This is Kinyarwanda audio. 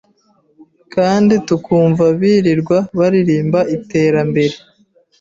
kandi tukumva birirwa baririmba iterambere